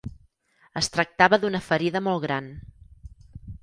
Es tractava d'una ferida molt gran.